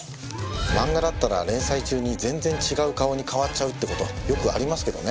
漫画だったら連載中に全然違う顔に変わっちゃうって事よくありますけどね。